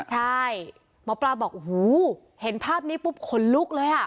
หมอปลาบอกโหเห็นภาพนี้ปุ๊บคนลุกเลย